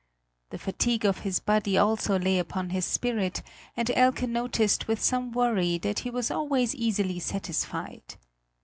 The fatigue of his body also lay upon his spirit, and Elke noticed with some worry that he was always easily satisfied.